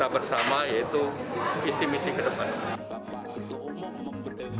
dan yang bersama yaitu isi misi ke depan